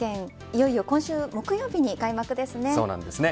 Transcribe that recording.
いよいよ今週木曜日に開幕ですね。